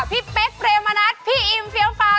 พี่เป๊ะเปรมมานัดพี่อิ่มเฟียงปาว